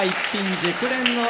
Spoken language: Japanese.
熟練の技」